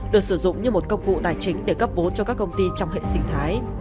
được sử dụng như một công cụ tài chính để cấp vốn cho các công ty trong hệ sinh thái